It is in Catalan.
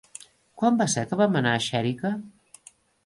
Quan va ser que vam anar a Xèrica?